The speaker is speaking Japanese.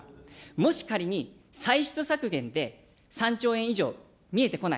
もし仮に歳出削減で、３兆円以上、見えてこない。